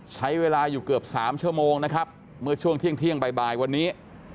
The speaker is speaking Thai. ใช้เวลาอยู่เกือบ๓ชั่วโมงนะครับเมื่อช่วงเที่ยงบ่ายวันนี้